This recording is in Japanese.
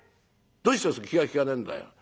どうしてそう気が利かねえんだよ。